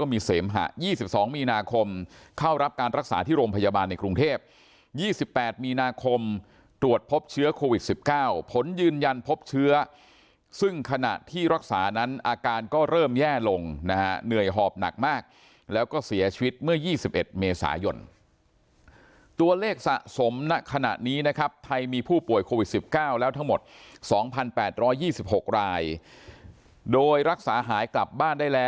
มีเสมหะ๒๒มีนาคมเข้ารับการรักษาที่โรงพยาบาลในกรุงเทพ๒๘มีนาคมตรวจพบเชื้อโควิด๑๙ผลยืนยันพบเชื้อซึ่งขณะที่รักษานั้นอาการก็เริ่มแย่ลงนะฮะเหนื่อยหอบหนักมากแล้วก็เสียชีวิตเมื่อ๒๑เมษายนตัวเลขสะสมณขณะนี้นะครับไทยมีผู้ป่วยโควิด๑๙แล้วทั้งหมด๒๘๒๖รายโดยรักษาหายกลับบ้านได้แล้ว